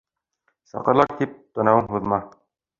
Саҡыралар тип, танауың һуҙма